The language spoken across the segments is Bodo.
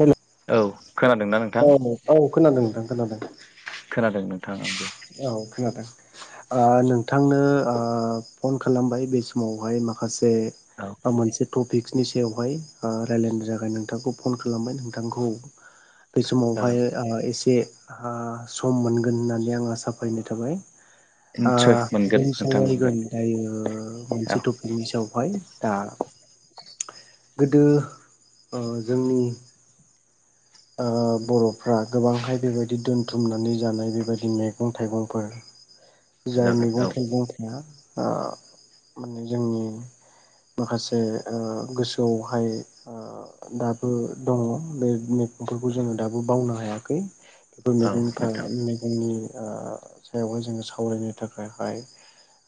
हेल' औ खोनादोंना नोंथां औ औ खोनादों नोंथां खोनादों खोनादों नोंथाङा औ खोनादों। आ नोंथांनो आ फन खालामबाय बे समावहाय माखासे औ बे आं मोनसे टपिकनि सायावहाय ओ रायलायनो जाखाय नोंथांखौ फन खालामबाय नोंथांखौ बे समावहाय जागोन एसे सम मोनगोन होननानै आं आसा फरायनाय थाबाय निस्सय मोनगोन जों नोंथां मोनगोन सावरायगोन दायो औ मोनसे टपिकनि सायावहाय दा गोदो ओ जोंनि ओ बर'फ्रा गोबांहाय बेबायदि दोनथुमनानै जानाय बेबायदि मैगं थाइगंफोर जाय जागोन औ मैगं थाइगं थाया आ माने जोंनि । माखासे गोसोआवहाय दाबो दङ बे मैगंफोरखौ जोङो दाबो बावनो हायाखै [unintelligible] औ नोंथां मैगंनि आ सायावहाय जोङो सावरायनो थाखायहाय ।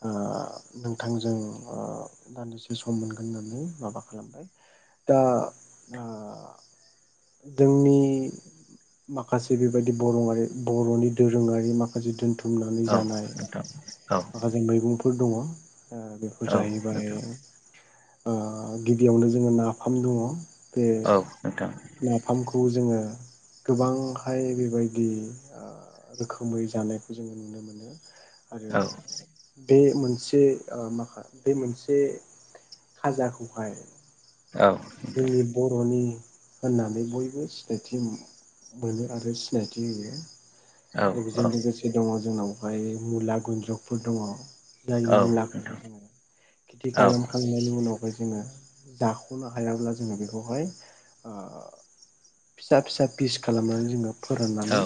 ओ नोंथांजों ओदान्दिसे सम मोनगोन होननानै माबा खालामबाय दा ओ जोंनि माखासे बेबायदि बर'आरि बर'नि दोरोङारि माखासे दोनथुम थुमनानै औ जानाय नोंथां औ माखासे मैगंफोर दङ ओ बेखौ जाहैबाय नोंथां ओ गिबियावनो जोङो नाफाम दङ । बे औ नोंथां नाफामखौ जोङो । गोबांहाय बेबायदि आ रोखोमै जानायखौ जोङो नुनो मोनो । आरो औ बे मोन से ओ माखा बे मोनसे खाजाखौहाय औ जोंनि बर'नि होननानै बयबो सिनायथिमो बोनो आरो सिनायथि [unintelligible] आरो औ औ नोंथां औ नोंथां औ नोंथां औ नोंथां औ नोंथां औ बिजों लोगोसे दङ जोंनावहाय मुला गुुन्द्रुगफोर दङ जाय मुलाखौहाय नोंथां जोङो खेथि औ नोंथां औ नोंथां खालामखांनायनि उनावहाय जोङो जाख'नो हायाब्ला जोङो बेखौहाय ओ फिसा-फिसा पिस खालामनानै जोङो फोराननानै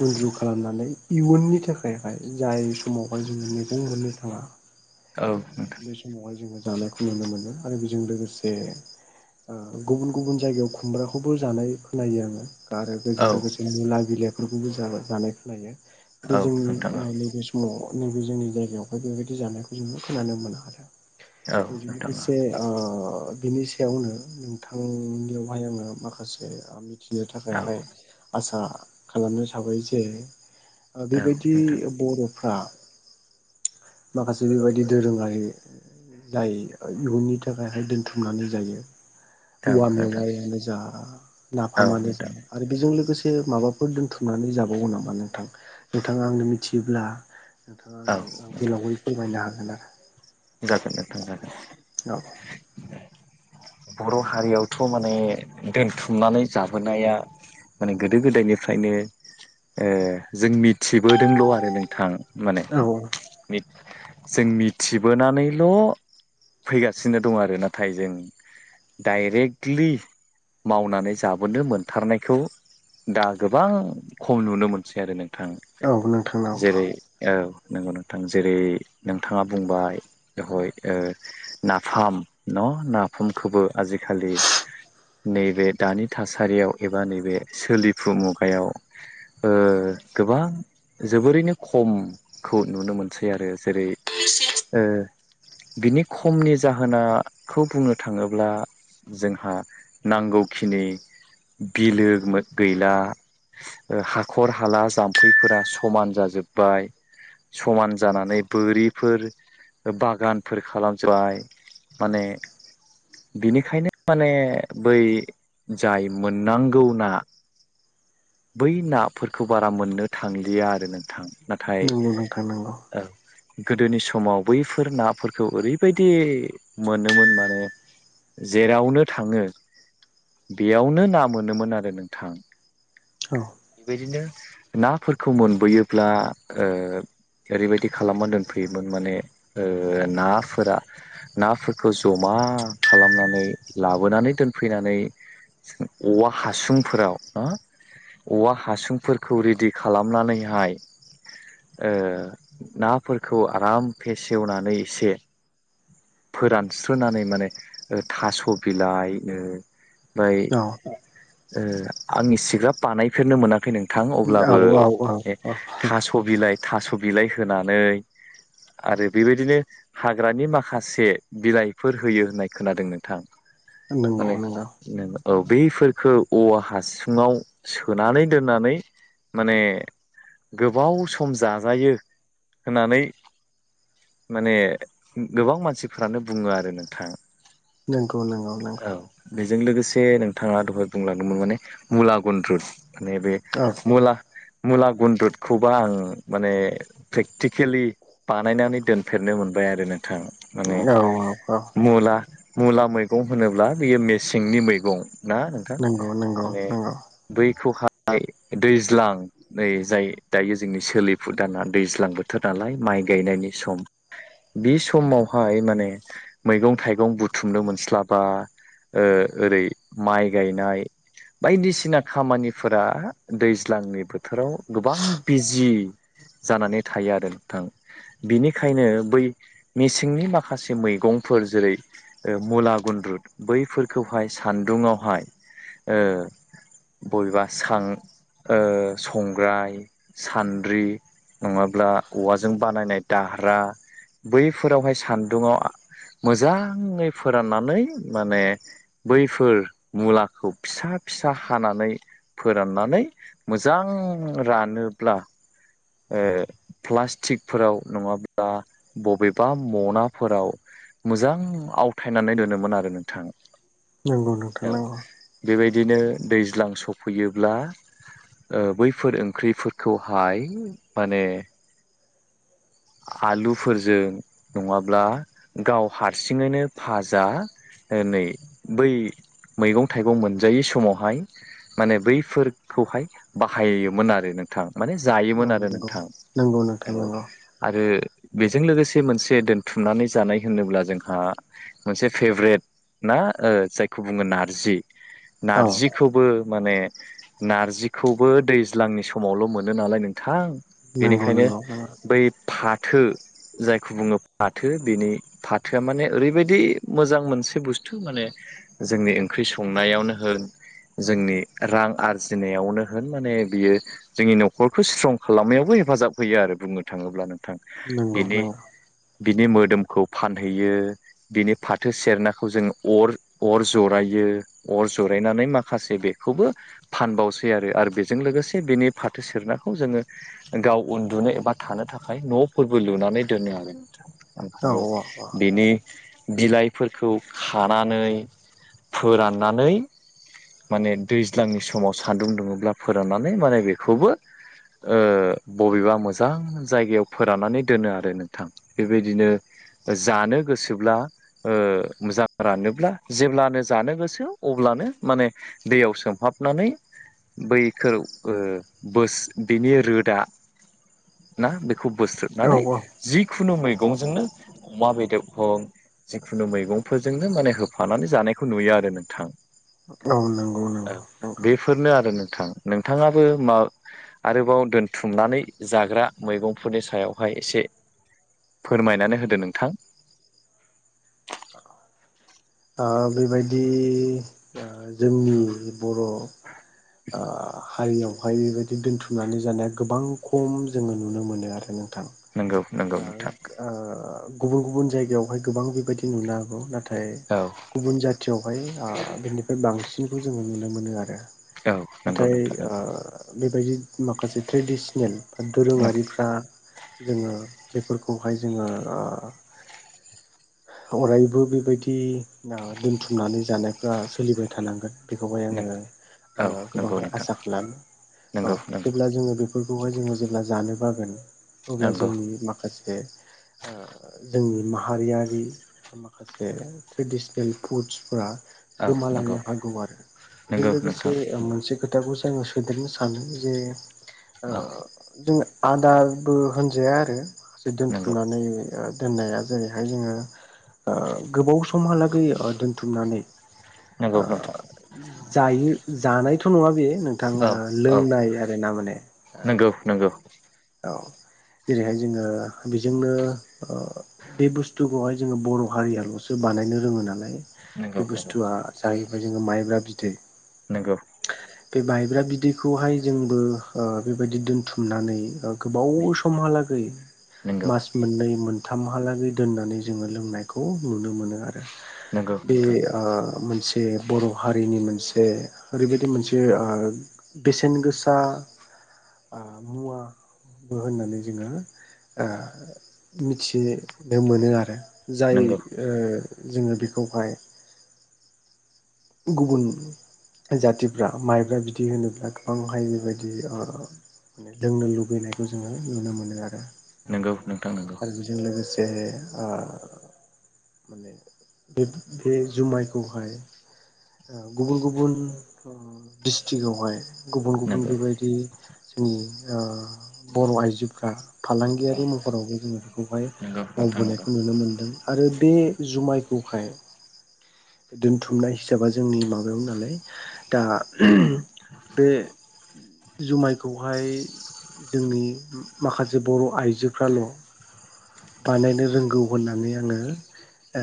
गुन्द्रु खालामनानै इयुननि थाखाय जाय समावहाय जोङो मैगं मोननो थाङा बे समावहाय जोङो जानायखौ नुनो मोनो आरो बिजों लोगोसे । ओ गुबुन-गुबुन जायगायाव खुमब्राखौबो जानाय खोनायो आङो । आरो बेजों लोगोसे निला बिलाइफोरखौबो जाय जानाय खखलायो जोंनि नैबे समाव नैबे जोंनि जायगायावहाय बेबायदि जानायखौ जोङो [unintelligible] बिनि सायावनो नोंथांनियावहाय आङो माखासे थियो थाखायहाय आसा खालामनो साबै जे ओ बेबायथि बर'फ्रा माखासे बेबायदि दोरोङारि जाय [unintelligible] इयुननि थाखायहाय दोनथुमनानै जायो । औवा मेवायानो जा नाफामानो जा आरो बेजों लोगोसे माबा बे दोनथुमनानै जाबावगौ नामा नोंथां नोंथाङा आंनो मिथियोब्ला नोंथाङा आंनो गोलावै फोरमायनो हागोन आरो जागोन जाथों जागोन औ बर' हारियावथ' माने दोनथुमनानै जाबोनाया माने गोदो गोदायनिफ्रायनो ओ जोंनि । थिबोदोंल' आरो नोंथां माने औ मि जोंनि थिबोनानैल' फैगासिनो दङ आरो नाथाय जों डाइरेक्टलि । मावनानै जाबोनो मोनथारनायखौ दा गोबां खम नुनो मोनसै आरो नों थां औ औ नोंथांनाव जेरै औ नंगौ नोंथां जेरै नोंथाङा बुंबाय दहय ओ नाफाम न' ना भुमखौबो आजिखालि नैबे दानि थासारियाव एबा नैबे सोलिफु मुगायाव ओ गोबां जोबोरैनो खमखौ नुनो मोनसै आरो जेरै ओ [unintelligible] बिनि खमनि जाहोनाखौ बुङो थाङोब्ला जोंहा नांगौखिनि । बिलो मो गैला ओ हाखर हाला जाम्फैफोरा समान जाजोब्बाय । समान जानानै बोरिफोर बागानफोर खालामजोबबाय माने बिनिखायनो माने बै जाय मोननांगौना । बै नाफोरखौ बारा मोननो थांलिया आरो नोंथां नाथाय नंगौ नोंथां नंगौ औ गोदोनि समाव बैफोर नाफोरखौ ओरैबायदि मोनोमोन माने । जेरावनो थाङो बेयावनो ना मोनोमोन आरो नोंथां । औ । बेदिनो नाफोरखौ मोनबोयोब्ला ओ । ओरैबायदि खालामना दोनफैयोमोन माने नाफोरा नाफोरखौ जमा खालामनानै लाबोनानै दोनफैनानै औवा हासुंफोराव हो । औवा हासुंफोरखौ रेडि खालामनानैहाय । ओ नाफोरखौ आराम फेसेवनानै एसे फोरानस्रोनानै माने । थास' बिलाइ ओमफ्राय ओ आं इसिग्राब बानायफेरनो मोनाखै नों। थां अब्लाबो औ औ ए औ थास' बिलाइ थास' बिलाइ होनानै । आरो बेबायदिनो हाग्रानि माखासे बिलाइफोर होयो होननाय खोनादों नोंथां नंगौ मालै नंगौ नों औ बैफोरखो औवा हासुङाव सोनानै दोननानै माने गोबाव सम जाजायो होननानै । माने गोबां मानसिफोरानो बुङो आरो नोंथां। नंगौ नंगौ नंगौ। जों लोगोसे नोंथाङा दहाय बुंलांदोंमोन माने मुला गनद्रुद मान बे औ मला । मुला गुन्द्रुदखौबा आं माने प्रेक्टिकेलि बानायनानै दोनफेरनो मोनबाय आरो नों थां माने औ औ मुला मुला मैगं होनोब्ला बियो मेसेंनि मैगं ना नोंथां नंगौ नंगौ माने नंगौ दबै खहा दैज्लां नै जाय दायो जोंनि सोलिफु दाना दैज्लां बोथोर नालाय म माय गायनायनि बिावहाय म मैं थाइं बिगं बुथुमनो मोनस्लाबा ओरै माइ गायनाय बायदिसिना खामानिफोरा दैज्लांनि बोथोराव गोबां बिजि। जानानै थायो आरो नोंथां। बिनिखायनो बै मेसेंनि माखासे मैगंफोर जेरै मुला गुन्द्रुद बैफोरखौहाय सान्दुंआवहाय ओ बबेबा सां संग्राय सान्द्रि नङाब्ला औवाजों बानायनाय दाह्रा बैफोरावहाय सान्दुङाव मोजा मोजाङै फोराननानै माने बैफोर मुलाखौ फिसा फिसा हाना नै फोराननानै मोजां रानोब्ला। ओ प्लास्टिकफोराव नङाब्ला बबेबा मनाफोराव मोजां आवथायनानै दोनोमोन आरो नोंथां। नोंगौ नोंथां नांगौ। बिदिनो दैज्लां सफैयोब्ला ओ बैफोर ओंख्रैफोरखौहाय माने आलुफोरजों नङाब्ला गाव हारसिङैनो फाजा ओ नै बै मैगं थाइगं मोनजायै समावहाय माने बैफोरखौहाय बाहायोमोन आरो नोंथांा माने औ जायोमोन आरो नोंथां नंगौ नंगौ नोंथां औ नंगौ आरो बेजों लोगोसे मोनसे दोनथुमनानै जानाय होनोब्ला जोंहा मोनसे फेभ्रेट ना जायखौ बुङो नारजि औ नारजिखौबो माने नारजिखौबो दैज्लांनि समावल' मोनो नालाय नोंथां। नंगौ बेनिखायनो नंगौ बै फा थो जायखौ बुङो फाथो बेनि फाथोआ माने ओरैबायदि मोजां मोनसे बुस्थु माने जोंनि ओंख्रि संनायावनो होन जोंनि रां आरजिनायावनो होन माने बियो जोंनि न'खरखौ स्ट्रं खालामनायावबो हेफाजाब होयो आरो बुंनो थाङोब्लानो। थां नंगौ बिनि नंगौ बिनि मोदोमखौ फानहैयो। बिनि फाथो सेरनाखौ जोङो अर अर जरायो अर जरायनानै माखासे बेखौबो फानबावसै आरो बेजों लोगोसे बेनि फाथो सेरनाखौ जोङो गाव उल उन्दुनो एबा थानो थाखाय न'फोरबो लुनानै दोनो आरो औ ओमफ्राय बेनि बिलाइफोरखौ खानानै फोराननानै माने दैज्लांनि समाव सान्दुं दुङोब्ला फोराननानै माने बेखौबो ओ बबेबा मोजां जायगायाव फोराननानै दोनो आरो नोंथां बेबायदिनो ओजानो गोसो मोजां रानोब्ला जेब्लानो जानो गोसो अब्लानो माने दैयाव सोमहाबनानै बैखौ ओ बोस बेनि रोदा ना बे खौ औ बोस्रोदनानै जिखुनु मैगंजोंनो अमा बेदर हं जिखुनु मैगंफोरजोंनो माने होफानानै जानायखौ नुयो आरो नोंथां औ नंगौ ओ नंगौ नंगौ बेफोरनो आरो नो नोंथां नोंथाङाबो आरोबाव दोनथुमनानै जाग्रा मैगंफोरनि सायावहाय एसे फोरमायनानै होदो नोंथां बेबायदि जोंनि बर' आ हारियाव बेवहाय बेबायदि दोनथुमनानै जानाया गोबां खम जोङो नुनो मोनो आरो न थां नंगौ नंगौ नोंथां आगो ओ गुबुन गुबुन जायगायावहाय गोबां बेबायदि नुनो हागौ नाथाय औ गुबुन जाथियाव बेवहाय बिनिफ्राय बांसिनखौ जोङो नुनो मोनो आरो औ नंगौ मथाय नोंथां नंगौ बेदि माखासे ट्रेडिसनेल बा औ दोरोङारिफ्रा जोङो बेफोरखौहाय जोङो ओ अरायबो बेबायदि औ दोनथुमनानै जानायफ्रा सोलिबाय थानांगोन बेखौहाय आङो नंगौ गोबांहाय नोंथां आसा खालामो औ नंगौ नंगौ जेब्ला जोङो बे फोरखौहाय जोङो जेब्ला जानो बागोन अब्ला नंगौ जोंनि माखासे ओ जोंनि माहारियारि माखासे ट्रेडिसनेल फुडसफोरा औ गोमालांनो नंगौ हागौ आरो दे नंगौ लोगोसे नोंथां ओम नंगौ मोनसे खोथाखौसो ओं सोदेरनो सानो जे ओ औ जोंनो आदारबो होन जाया आरो नंगौ दोनथुमनानै ओ दोननाया जेरैहाय जोङो ओ गोबाव समहालागै ओ दोन्थुमनानै नंगौ ओ नोंथां जायो जानायथ' नुवा बे नोंथां औ औ लोंनाय आरो ना माने नंगौ नंगौ जेरैहाय जोङो बेजोंनो बे बुस्थुखौहाय जोङो बर' हारियाल'सो बानायनो रोङो नालाय नंगौ बे नंगौ बुस्थुआ जाहैबाय जोङो माइब्रा बिदै नोंगौ बे मायब्रा बिदैखौहाय जोंबो बेबायदि दोनथुमनानै गोबाव समहालाै नंगौ माच मोननै मोन मोनथामहालागै दोननानै जोङो लोंनायखौ नुनो मोनो आरो नंगौ बे नोंथां आं मोन से बर' हारिनि मोनसे ओरैबायदि मोनसे ओ बेसेन गोसा आ मुवा होननानै जोङो मिथि बेव मोनो नंगौ आरो जाय नंगौ ओ जोङो बेखौहाय गुबुन जाथिफ्रा माइब्रा बिदै होनोब्ला गोबांहाय बेबायदि ओ लोंनो लुबैयो लुबैनायखौ जोङो नुनो मोनो आरो नंगौ नोंथां नंगौ आरो बेजों लोगोसे ए आ बेब बे जुमायखौहाय गुबुन गुबुन डिस्ट्रिकआवहाय गुबुन गुबुन नंगौ बेबायदि दि ओ बर' आइजोफोरा औ फालांगियारि महरावबो जोङो बेखौहाय नंगौ नोंथां नंगौ मावबोनायखौ नुनो मोन्दों। आरो बे जुमाय औ हायो दोनथुमनाय हिसाबा जोंनि माबायाव नालाय दा [unintelligible] बे जुमायखौहाय जोंनि माखासे बर' आइजोफ्राल' बानायनो रोंगौ होननानै आङो ओ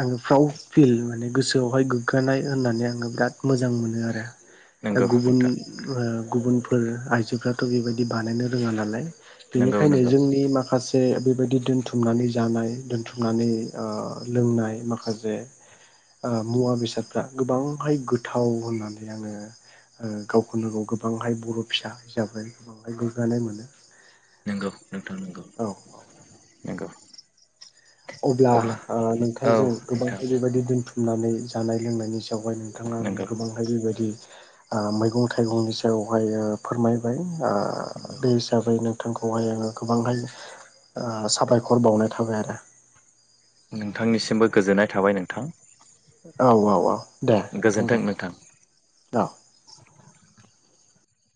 आङो प्राउड फिल माने गोसोआव बहाय गोग्गानाय होननानै आङो बिराद मोजां मोनो आरो ।दा नंगौ नोंथां गुबुननि ओ गुबुनफोर आइजोफ्राथ' बेबायदि बानायनो रोङा नालाय। नंगौ नंगौ बेनिखायनो जोंनि माखासे से बेबायदि दोनथुमनानै जानाय दोनथुमनानै ओ लोंनाय माखासे ओ मुवा बेसादफ्रा गोबांहाय गोथाव होननानै आङो ओ गावखौनो गाव गोबांहाय बर' फिसा हिसाबै बांद्राय गोग्गानो मोनो। नोंगौ नोंथां नोंगौ। औ अब्ला ओ औ नोंथांजों नोंथां गोबांहाय बेबायदि दोनथुम नानै जानाय लोंनायनि सायावहाय नोंथाङा आंनो नंगौ गोबांहाय बेबायदि ओ मैगं थाइगंनि सायाव खौहाय फोरमायबाय दा नंगौ बे हिसाबै नोंथांखौहाय आङो गोबांहाय ओ साबायखर बावनाय थाबाय आरो। नोंथांनिसिमबो गोजोननाय थाबाय नोंथां। औ औ औ दे नोंथां दे। औ